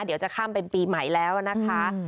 เดี๋ยวจะข้ามเป็นปีใหม่แล้วนะคะ